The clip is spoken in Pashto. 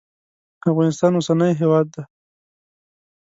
افغانستان اوسنی هیواد دی.